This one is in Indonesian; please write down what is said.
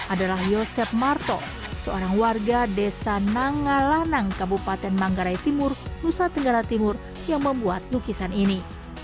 adalah yosep marto seorang warga desa nangalanang kabupaten manggarai timur nusa tenggara timur yang membuat lukisan ini